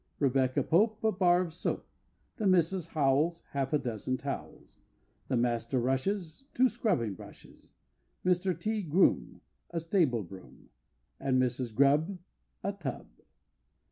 Rebecca Pope, A bar of soap. The Misses Howels, Half a dozen towels. The Master Rush's, Two scrubbing brushes. Mr. T. Groom, A stable broom, And Mrs. Grubb, A tub.